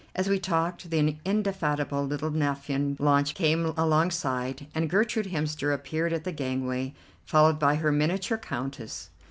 As we talked, the indefatigable little naphtha launch came alongside, and Gertrude Hemster appeared at the gangway, followed by her miniature Countess.